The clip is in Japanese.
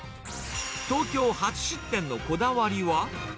東京初出店のこだわりは？